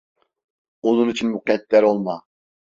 Onun için mukedder olma.